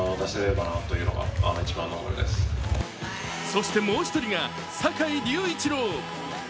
そしてもう一人が坂井隆一郎。